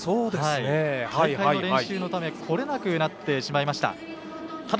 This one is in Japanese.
大会練習のため来れなくなってしまいました。